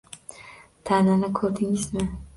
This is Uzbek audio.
Tanini ko`rdingizmi